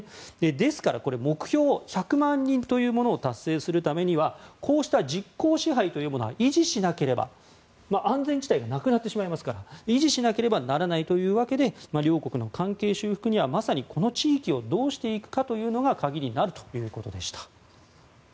ですから、目標の１００万人というものを達成するためにはこうした実効支配は維持しなければ安全地帯がなくなってしまいますから維持しなければならないわけで両国の関係修復にはまさに、この地域をどうするかが鍵になるということでした。